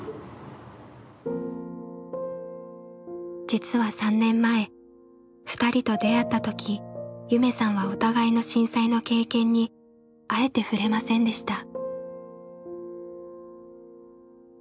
実は３年前２人と出会った時夢さんはお互いの震災の経験にあえて触れませんでした。